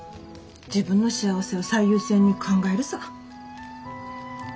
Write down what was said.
自分の幸せを最優先に考えるさ。